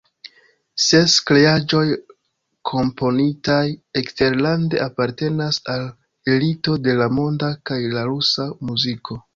Ses kreaĵoj komponitaj eksterlande apartenas al elito de la monda kaj la rusa muziko.